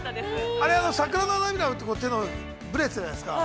◆あれは桜の写真、手がぶれていたじゃないですか。